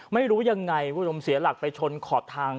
ไม่รู้ยังไงคุณผู้ชมเสียหลักไปชนขอบทาง